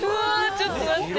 ちょっと待って。